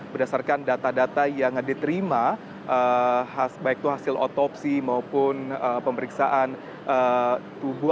berdasarkan data data yang diterima baik itu hasil otopsi maupun pemeriksaan tubuh